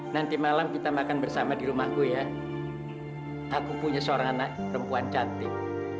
nanti malam kita makan bersama di rumahku ya aku punya seorang anak perempuan cantik